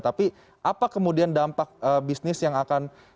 tapi apa kemudian dampak bisnis yang akan